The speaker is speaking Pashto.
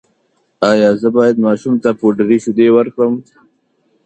ایا زه باید ماشوم ته پوډري شیدې ورکړم؟